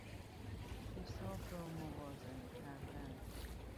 حساب را موازنه کردن